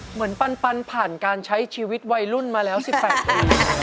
เหมือนปันปันผ่านการใช้ชีวิตวัยรุ่นมาแล้วสิแปดอีก